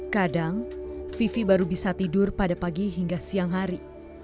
kadang vivi baru bisa tidur pada pagi hingga siang hari